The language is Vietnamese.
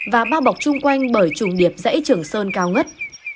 và bao bọc chung quanh bởi trùng điệp dãy trường sơn cao nhất